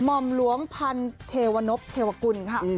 หม่อมรวมพันธ์เทวนพเทวคุณค่ะ